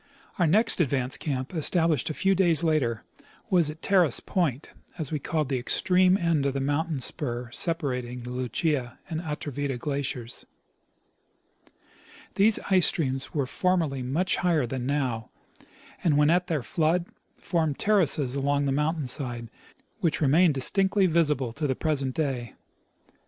105 Our next advance camp, established a few days later, was at Terrace point, as' we called the extreme end of the mountain spur separating the Lucia and Atrevida glaciers. These ice streams were formerly much higher than now, and when at their flood formed terraces along the mountain side, which remain distinctly visible to the present day.